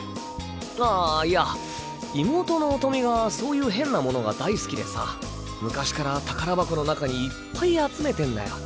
あいや妹の音美がそういう変な物が大好きでさ昔から宝箱の中にいっぱい集めてんだよ。